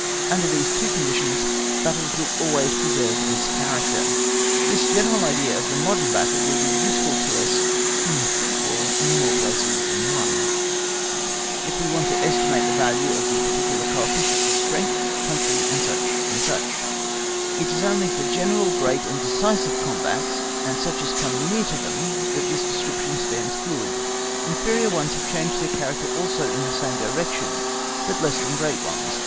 Under these two conditions, battles will always preserve this character. This general idea of the modern battle will be useful to us in the sequel in more places than one, if we want to estimate the value of the particular co efficients of strength, country, &c. &c. It is only for general, great, and decisive combats, and such as come near to them that this description stands good; inferior ones have changed their character also in the same direction but less than great ones.